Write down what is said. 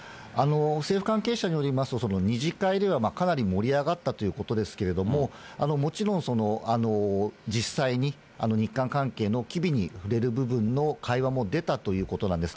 政府関係者によりますと、その２次会ではかなり盛り上がったということですけど、もちろん実際に日韓関係の機微に触れる部分の会話も出たということなんです。